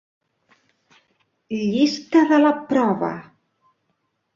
Llista de la prova.